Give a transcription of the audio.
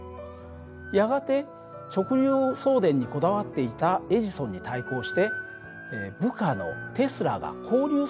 やがて直流送電にこだわっていたエジソンに対抗して部下のテスラが交流送電を提案します。